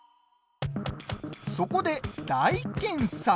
そこで、大検査。